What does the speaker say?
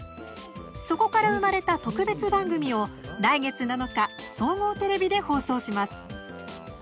そこから生まれた特別番組を来月７日総合テレビで放送します。